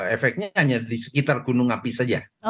efeknya hanya di sekitar gunung api saja